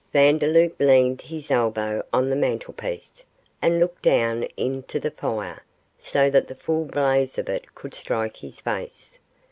Vandeloup leaned his elbow on the mantelpiece, and looked down into the fire, so that the full blaze of it could strike his face.